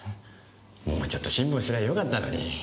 もうちょっと辛抱すりゃよかったのに。